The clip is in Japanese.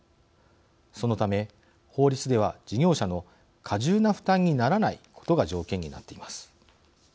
そのため、法律では事業者の過重な負担にならないことが条件になっています。